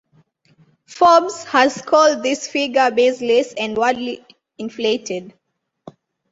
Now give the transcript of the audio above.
"Forbes" has called this figure "baseless and wildly inflated".